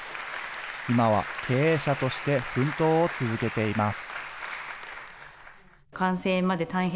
今は経営者として奮闘を続けています。